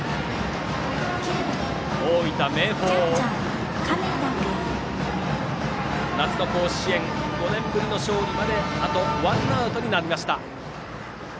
大分・明豊夏の甲子園５年ぶりの勝利まであとワンアウトになりました。